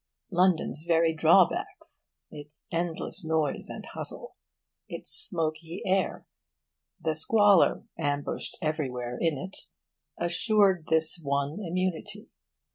London's very drawbacks its endless noise and hustle, its smoky air, the squalor ambushed everywhere in it assured this one immunity.